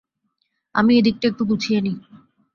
আমি এদিকটা একটু গুছিয়ে নি।